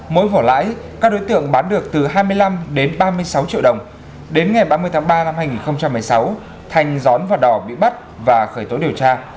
mỗi vỏ lãi các đối tượng bán được từ hai mươi năm đến ba mươi sáu triệu đồng đến ngày ba mươi tháng ba năm hai nghìn một mươi sáu thành gión và đỏ bị bắt và khởi tố điều tra